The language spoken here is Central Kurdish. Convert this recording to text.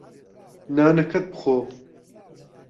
نانەکەت بخۆ.